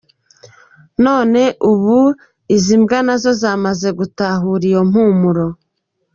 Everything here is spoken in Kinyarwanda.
None ubu izi mbwa nazo zamaze gutahura iyo mpumuro.